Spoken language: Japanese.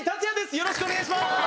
よろしくお願いします。